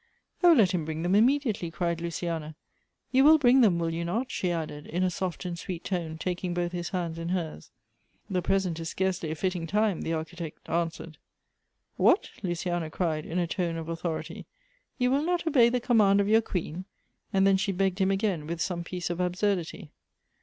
" Oh, let him bring them immediately," cried Luciana, "you will bring them, will you not?" she added, in a soft and sweet tone, taking both his hands in hers. " The present is scarcely a fitting time," the Architect answered. "What!" Luciana cried, in a tone of authority; "you will not obey the command of your queen !" and then she begged him again with some piece of absurdity.